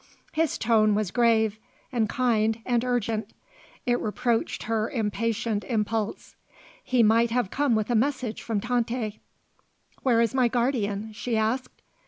His tone was grave and kind and urgent. It reproached her impatient impulse. He might have come with a message from Tante. "Where is my guardian?" she asked.